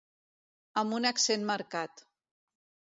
Amb un accent marcat